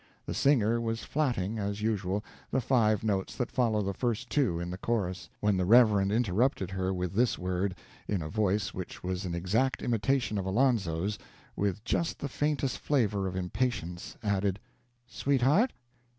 The singer was flatting, as usual, the five notes that follow the first two in the chorus, when the Reverend interrupted her with this word, in a voice which was an exact imitation of Alonzo's, with just the faintest flavor of impatience added: "Sweetheart?"